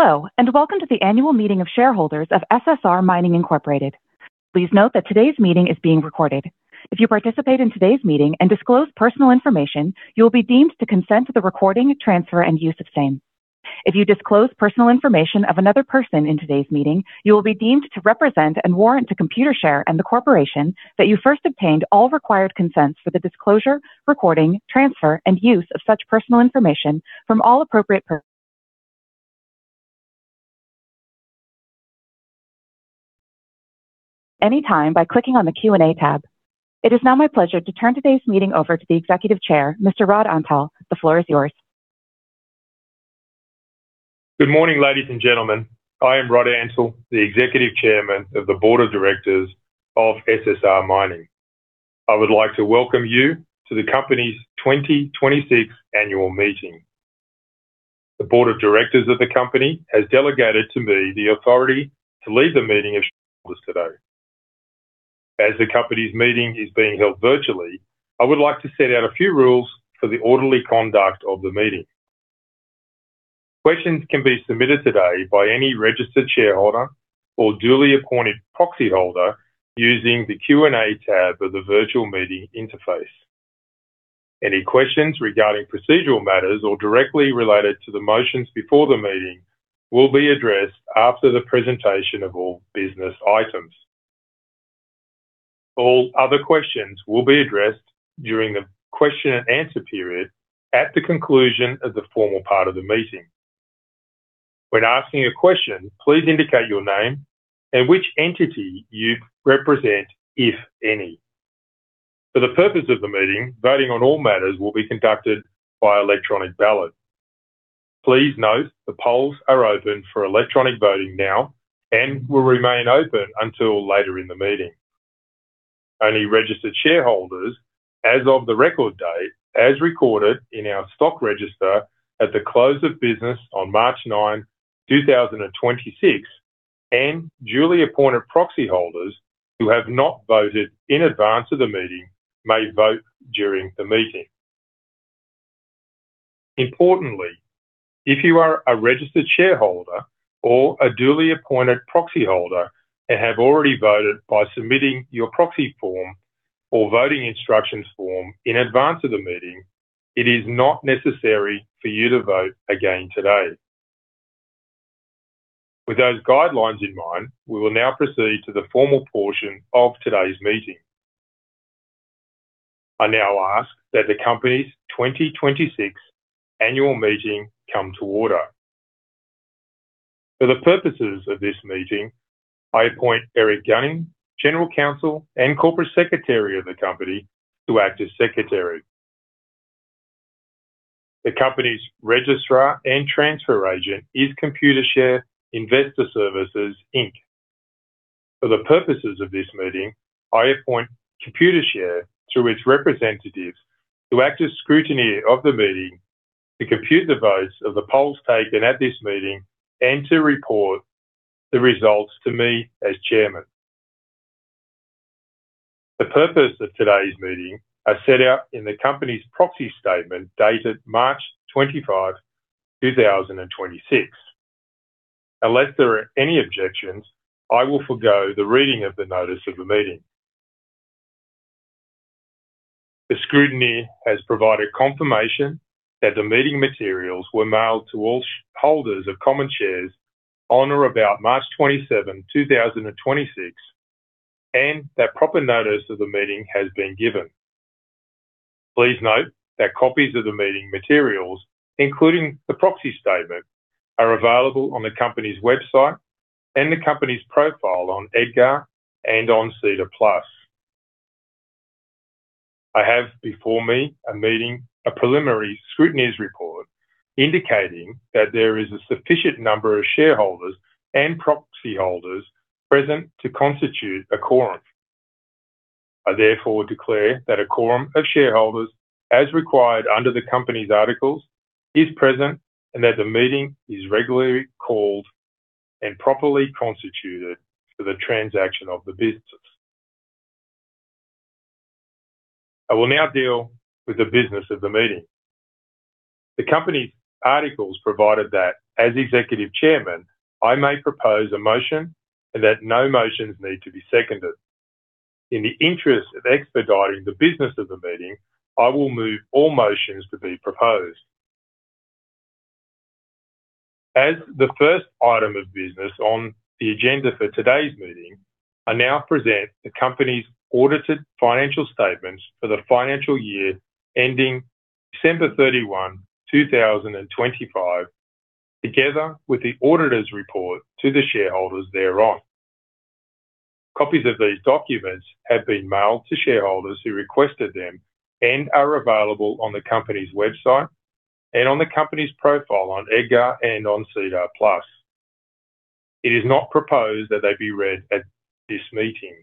Hello, and welcome to the annual meeting of shareholders of SSR Mining Inc. Please note that today's meeting is being recorded. If you participate in today's meeting and disclose personal information, you will be deemed to consent to the recording, transfer, and use of same. If you disclose personal information of another person in today's meeting, you will be deemed to represent and warrant to Computershare and the corporation that you first obtained all required consents for the disclosure, recording, transfer, and use of such personal information from all appropriate. Anytime by clicking on the Q&A tab. It is now my pleasure to turn today's meeting over to the Executive Chair, Mr. Rod Antal. The floor is yours. Good morning, ladies and gentlemen. I am Rod Antal, the Executive Chairman of the Board of Directors of SSR Mining. I would like to welcome you to the company's 2026 annual meeting. The board of directors of the company has delegated to me the authority to lead the meeting of shareholders today. As the company's meeting is being held virtually, I would like to set out a few rules for the orderly conduct of the meeting. Questions can be submitted today by any registered shareholder or duly appointed proxyholder using the Q&A tab of the virtual meeting interface. Any questions regarding procedural matters or directly related to the motions before the meeting will be addressed after the presentation of all business items. All other questions will be addressed during the question and answer period at the conclusion of the formal part of the meeting. When asking a question, please indicate your name and which entity you represent, if any. For the purpose of the meeting, voting on all matters will be conducted by electronic ballot. Please note the polls are open for electronic voting now and will remain open until later in the meeting. Only registered shareholders as of the record date as recorded in our stock register at the close of business on March 9, 2026, and duly appointed proxy holders who have not voted in advance of the meeting may vote during the meeting. Importantly, if you are a registered shareholder or a duly appointed proxyholder and have already voted by submitting your proxy form or voting instructions form in advance of the meeting, it is not necessary for you to vote again today. With those guidelines in mind, we will now proceed to the formal portion of today's meeting. I now ask that the company's 2026 annual meeting come to order. For the purposes of this meeting, I appoint Eric Gunning, General Counsel and Corporate Secretary of the company, to act as secretary. The company's registrar and transfer agent is Computershare Investor Services Inc. For the purposes of this meeting, I appoint Computershare through its representatives to act as scrutineer of the meeting, to compute the votes of the polls taken at this meeting, and to report the results to me as chairman. The purpose of today's meeting are set out in the company's proxy statement dated March 25, 2026. Unless there are any objections, I will forgo the reading of the notice of the meeting. The scrutineer has provided confirmation that the meeting materials were mailed to all shareholders of common shares on or about March 27, 2026, and that proper notice of the meeting has been given. Please note that copies of the meeting materials, including the proxy statement, are available on the company's website and the company's profile on EDGAR and on SEDAR+. I have before me a preliminary scrutineer's report indicating that there is a sufficient number of shareholders and proxyholders present to constitute a quorum. I therefore declare that a quorum of shareholders as required under the company's articles is present and that the meeting is regularly called and properly constituted for the transaction of the business. I will now deal with the business of the meeting. The company's articles provided that as Executive Chairman, I may propose a motion and that no motions need to be seconded. In the interest of expediting the business of the meeting, I will move all motions to be proposed. As the first item of business on the agenda for today's meeting, I now present the company's audited financial statements for the financial year ending December 31, 2025, together with the auditor's report to the shareholders thereon. Copies of these documents have been mailed to shareholders who requested them and are available on the company's website and on the company's profile on EDGAR and on SEDAR+. It is not proposed that they be read at this meeting.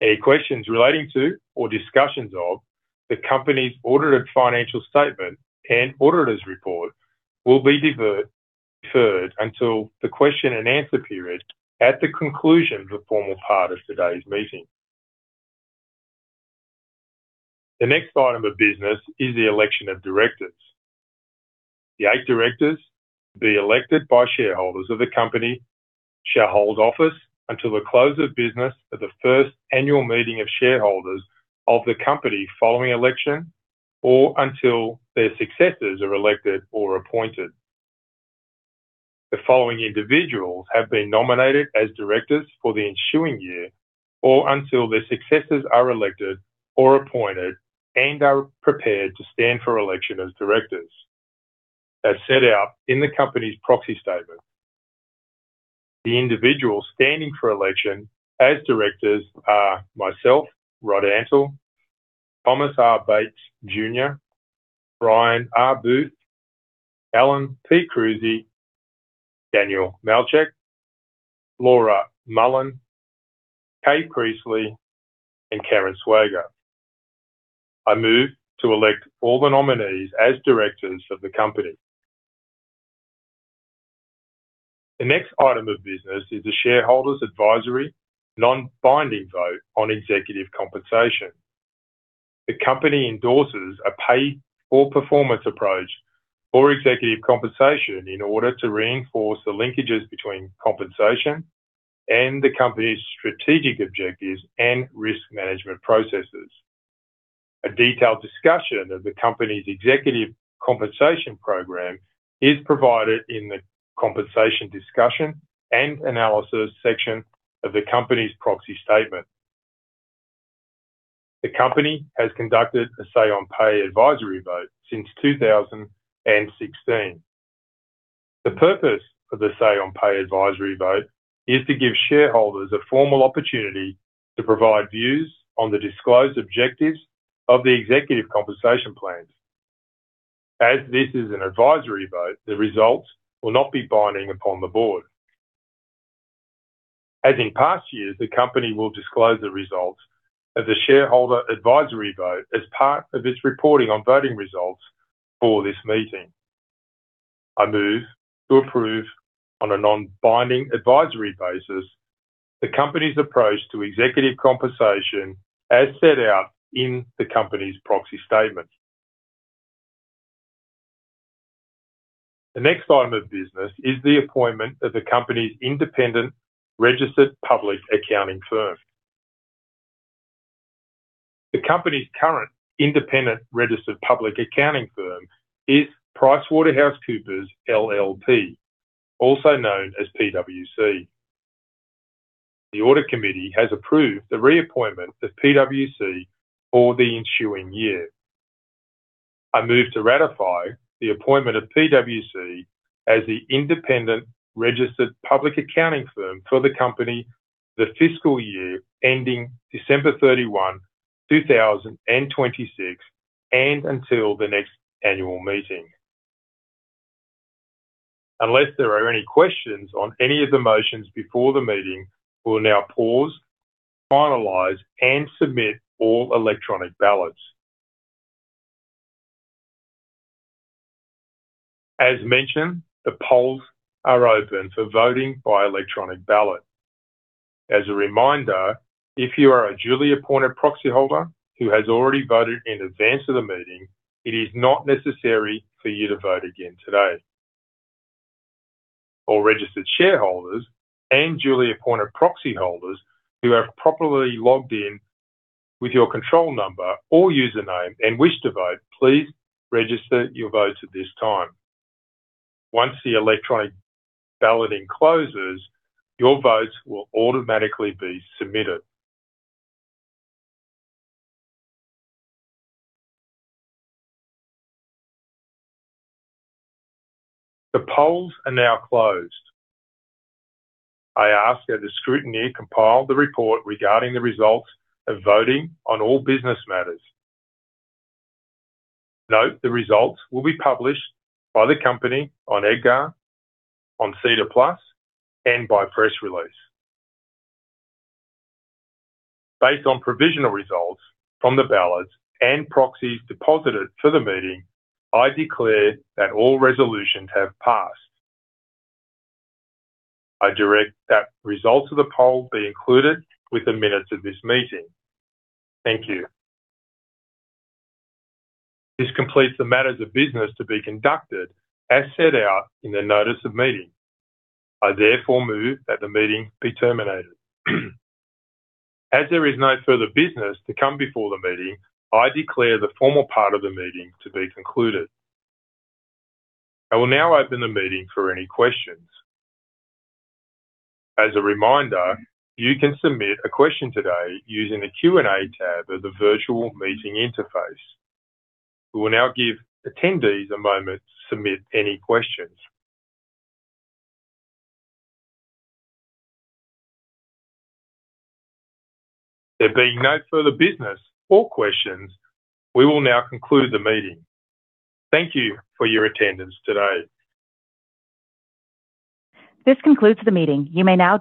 Any questions relating to or discussions of the company's audited financial statement and auditor's report will be deferred until the question and answer period at the conclusion of the formal part of today's meeting. The next item of business is the election of directors. The eight directors to be elected by shareholders of the company shall hold office until the close of business of the first annual meeting of shareholders of the company following election, or until their successors are elected or appointed. The following individuals have been nominated as directors for the ensuing year, or until their successors are elected or appointed and are prepared to stand for election as directors. As set out in the company's proxy statement, the individuals standing for election as directors are myself, Rod Antal, Thomas R. Bates Jr., Brian R. Booth, Alan P. Krusi, Daniel Malchuk, Laura Mullen, Kay Priestly, and Karen Swager. I move to elect all the nominees as directors of the company. The next item of business is the shareholders advisory non-binding vote on executive compensation. The company endorses a pay for performance approach for executive compensation in order to reinforce the linkages between compensation and the company's strategic objectives and risk management processes. A detailed discussion of the company's executive compensation program is provided in the Compensation Discussion and Analysis section of the company's proxy statement. The company has conducted a Say on Pay advisory vote since 2016. The purpose of the Say on Pay advisory vote is to give shareholders a formal opportunity to provide views on the disclosed objectives of the executive compensation plans. As this is an advisory vote, the results will not be binding upon the board. As in past years, the company will disclose the results of the shareholder advisory vote as part of its reporting on voting results for this meeting. I move to approve on a non-binding advisory basis the company's approach to executive compensation as set out in the company's proxy statement. The next item of business is the appointment of the company's independent registered public accounting firm. The company's current independent registered public accounting firm is PricewaterhouseCoopers LLP, also known as PwC. The audit committee has approved the reappointment of PwC for the ensuing year. I move to ratify the appointment of PwC as the independent registered public accounting firm for the company, the fiscal year ending December 31, 2026, and until the next annual meeting. Unless there are any questions on any of the motions before the meeting, we'll now pause, finalize, and submit all electronic ballots. As mentioned, the polls are open for voting by electronic ballot. As a reminder, if you are a duly appointed proxyholder who has already voted in advance of the meeting, it is not necessary for you to vote again today. All registered shareholders and duly appointed proxyholders who have properly logged in with your control number or username and wish to vote, please register your votes at this time. Once the electronic balloting closes, your votes will automatically be submitted. The polls are now closed. I ask that the scrutineer compile the report regarding the results of voting on all business matters. Note the results will be published by the company on EDGAR, on SEDAR+, and by press release. Based on provisional results from the ballots and proxies deposited for the meeting, I declare that all resolutions have passed. I direct that results of the poll be included with the minutes of this meeting. Thank you. This completes the matters of business to be conducted as set out in the notice of meeting. I therefore move that the meeting be terminated. As there is no further business to come before the meeting, I declare the formal part of the meeting to be concluded. I will now open the meeting for any questions. As a reminder, you can submit a question today using the Q&A tab of the virtual meeting interface. We will now give attendees a moment to submit any questions. There being no further business or questions, we will now conclude the meeting. Thank you for your attendance today. This concludes the meeting.